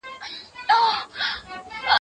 دا په ټولو موږكانو كي سردار دئ